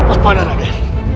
di mana raden